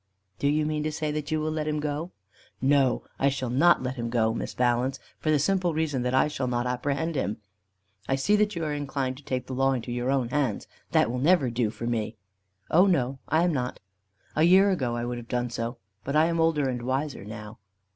"Do you mean to say that you will let him go?" "No, I shall not let him go, Miss Valence, for the simple reason that I shall not apprehend him. I see that you are inclined to take the law into your own hands. That will never do for me." "Oh no, I am not. A year ago I would have done so. But I am older and wiser now."